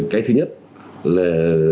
cái thứ nhất là